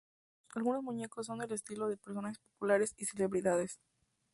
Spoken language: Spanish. Algunos muñecos son del estilo de personajes populares y celebridades.